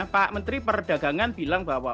pak menteri perdagangan bilang bahwa